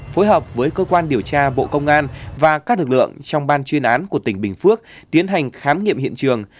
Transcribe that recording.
phối hợp với cơ quan điều tra bộ công an và các lực lượng trong ban chuyên án của tỉnh bình phước tiến hành khám nghiệm hiện trường